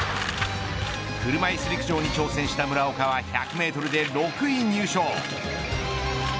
車いす陸上に挑戦した村岡は１００メートルで６位入賞。